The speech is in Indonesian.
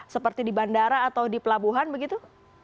seperti di bandara atau di pelabuhan begitu